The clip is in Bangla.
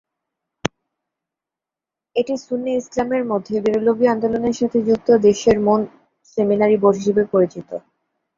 এটি সুন্নি ইসলামের মধ্যে বেরলভী আন্দোলনের সাথে যুক্ত দেশের মূল সেমিনারি বোর্ড হিসাবে পরিচিত।